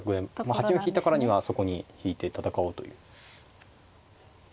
８四引いたからにはそこに引いて戦おうという。